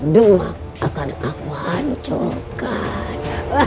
demak akan aku hancurkan